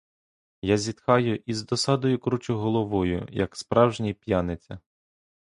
Я зітхаю і з досадою кручу головою, як справжній п'яниця.